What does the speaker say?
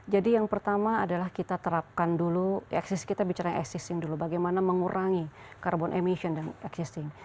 jadi yang pertama adalah kita terapkan dulu kita bicara existing dulu bagaimana mengurangi carbon emission dan existing